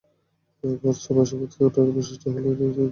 Fortune basmati চালের অনন্য বৈশিষ্ট্য হলো এটি তিনটি ঋতুতে পুষ্টি লাভ করে।